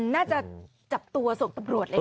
น่าจะจับตัวส่งตำรวจเลยนะ